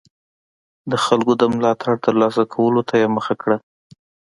د خلکو د ملاتړ ترلاسه کولو ته یې مخه کړه.